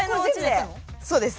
そうです。